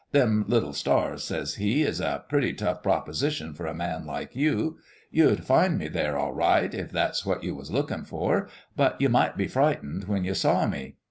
' Them little stars,' says He, 'is a pretty tough proposition for a man like you. You'd find me there, all right, if that's what you was lookin' for ; but you might be frightened when you saw me.